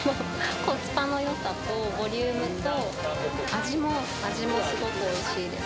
コスパのよさと、ボリュームと味も、味もすごくおいしいです。